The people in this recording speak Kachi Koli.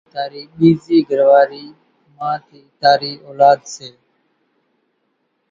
اِي تارِي ٻيزي گھرواري مان ٿي تاري اولاۮ سي